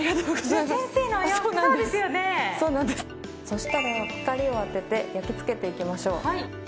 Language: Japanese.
そしたら光を当てて焼き付けていきましょう。